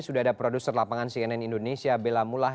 sudah ada produser lapangan cnn indonesia bella mulah